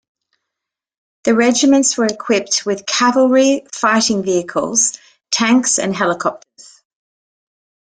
The regiments were equipped with Cavalry Fighting Vehicles, tanks and helicopters.